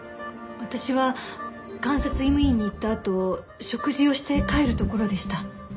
私は監察医務院に行ったあと食事をして帰るところでした。